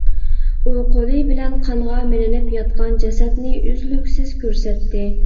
ئۇ قولى بىلەن قانغا مىلىنىپ ياتقان جەسەتنى ئۈزلۈكسىز كۆرسەتتى.